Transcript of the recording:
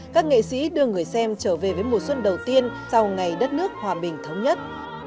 các nghệ sĩ đưa người xem trở về với mùa xuân đầu tiên sau ngày đất nước hòa bình thống nhất